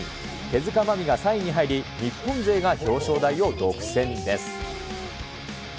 手塚まみが３位に入り、日本勢が表彰台を独占です。